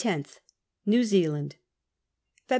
loth. New Zealand. Feh.